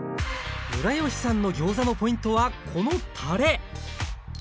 ムラヨシさんのギョーザのポイントはこのタレ！